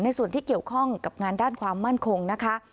ส่วนที่เกี่ยวข้องกับงานด้านความมั่นคงนะคะ